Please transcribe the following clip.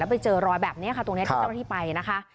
แล้วไปเจอรอยแบบนี้ตรงนี้ที่เจ้าที่ไปนะคะ